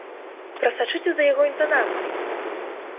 Прасачыце за яго інтанацыяй!